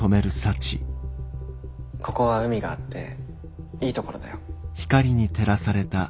ここは海があっていい所だよ。